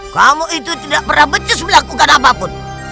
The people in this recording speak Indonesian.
kamu itu tidak pernah betis melakukan apapun